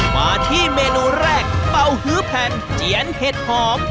มาที่เมนูแรกเป่าฮื้อแผ่นเจียนเห็ดหอม